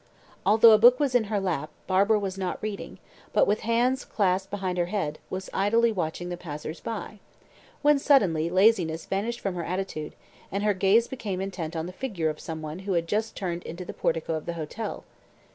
Although a book was in her lap, Barbara was not reading, but, with hands clasped behind her head, was idly watching the passers by, when suddenly laziness vanished from her attitude, and her gaze became intent on the figure of some one who had just turned into the portico of the hotel.